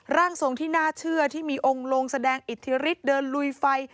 ร่างทรงที่น่าเชื่อที่มีองค์ลงแสดงอิทธิฤทธิ์เดินลุยไฟ